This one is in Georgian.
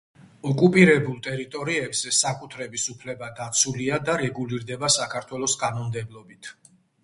ოკუპირებულ ტერიტორიებზე საკუთრების უფლება დაცულია და რეგულირდება საქართველოს კანონმდებლობით.